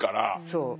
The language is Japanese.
そう。